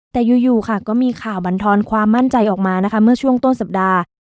แต่อยู่ค่ะก็มีข่าวบรรทอนความมั่นใจออกมานะคะเมื่อช่วงต้นสัปดาห์